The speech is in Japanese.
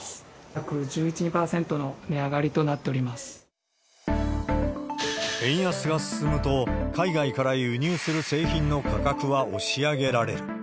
約１１、円安が進むと、海外から輸入する製品の価格は押し上げられる。